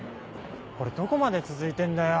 これどこまで続いてんだよ！